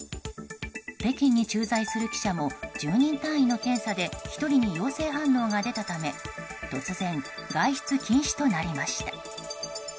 北京に駐在する記者も１０人単位の検査で１人に陽性反応が出たため突然、外出禁止となりました。